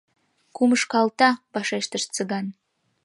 — Кумыж калта! — вашештыш Цыган.